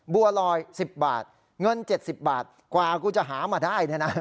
บัวลอย๑๐บาทเงิน๗๐บาทกว่ากูจะหามาได้เนี่ยนะ